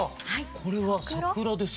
これは桜ですか？